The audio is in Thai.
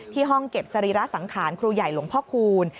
ห้องเก็บสรีระสังขารครูใหญ่หลวงพ่อคูณ